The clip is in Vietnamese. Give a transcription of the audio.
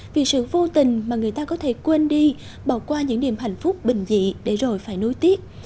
vì sự vô tình mà người ta có thể quên đi bỏ qua những điểm hạnh phúc bình dị để rồi phải nuối tiếc